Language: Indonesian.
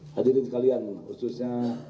hadirin sekalian khususnya